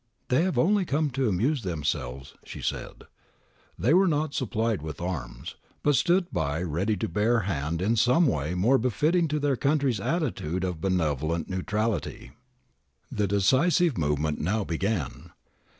'They have only come to amuse them selves,' she said. They were not supplied with arms, but stood by to bear a hand in some way more befitting their country's attitude of benevolent neutrality.^ The decisive movement now began.